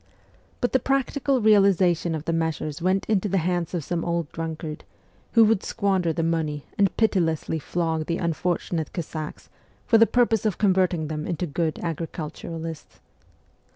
But the practical realization of the measures went into the hands of some old drunkard, who would squander the money and pitilessly flog the unfortunate Cossacks for the purpose of converting them into good agriculturalists.